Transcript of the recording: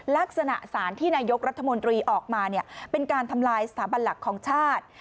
ลักษณะสารที่นายกรัฐมนตรีออกมาเป็นการทำลายสถาบันหลักของชาติ